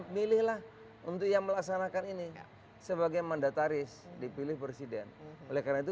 milihlah untuk yang melaksanakan ini sebagai mandataris dipilih presiden oleh karena itu